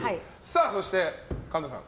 そして神田さん。